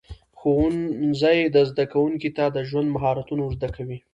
ښوونځی زده کوونکو ته د ژوند مهارتونه ورزده کوي.